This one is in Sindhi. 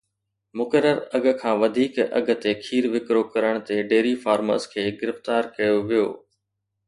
مقرر اگهه کان وڌيڪ اگهه تي کير وڪرو ڪرڻ تي ڊيري فارمرز کي گرفتار ڪيو ويو